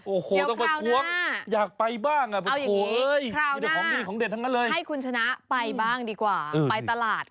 โอ้โฮต้องเป็นครั้วหน้าเอาอย่างนี้ครั้วหน้าให้คุณชนะไปบ้างดีกว่าไปตลาด